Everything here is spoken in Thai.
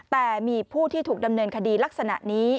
แต่มีผู้ที่ถูกดำเนินคดีลักษณะนี้